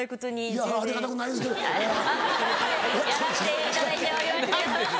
やらせていただいておりましてハハハ。